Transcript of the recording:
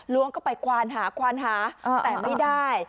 ้วงก็ไปควานหาควานหาแต่ไม่ได้